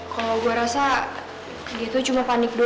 kalau gua rasa dia itu cuma panik banget